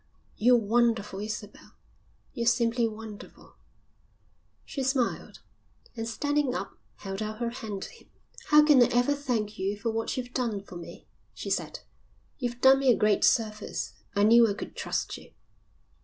"You're wonderful, Isabel, you're simply wonderful." She smiled, and, standing up, held out her hand to him. "How can I ever thank you for what you've done for me?" she said. "You've done me a great service. I knew I could trust you."